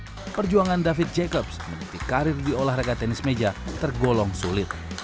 akhirnya saat ini perjuangan david jakob menikmati karir di olahraga tenis meja tergolong sulit